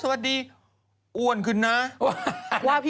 ไม่อ้วนขึ้นจริง